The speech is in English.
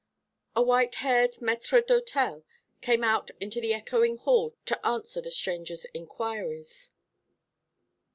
A white haired maître d'hôtel came out into the echoing hall to answer the stranger's inquiries.